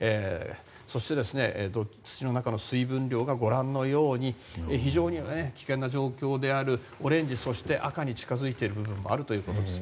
そして、土の中の水分量がご覧のように非常に危険な状況であるオレンジそして赤に近づいている部分もあるということです。